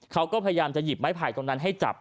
เขาก็พยายามจะหยิบไม้ไผ่ตรงนั้นให้จับ